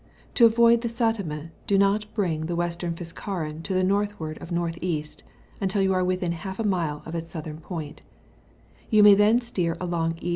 To avoid the Satima, do not bring the Western Fiskaren to the northward ofN.£. until you are within half a mile of its soulliem point; you may then steer along £.